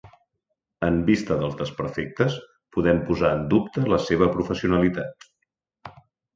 En vista dels desperfectes, podem posar en dubte la seva professionalitat.